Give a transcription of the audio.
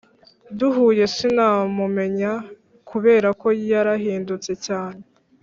Duhuye sinamumenya kuberako yarahindutse cyane